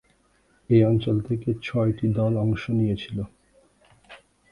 এ অঞ্চল থেকে ছয়টি দল অংশ নিয়েছিল।